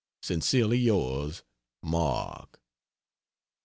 Sincerely yours, MARK.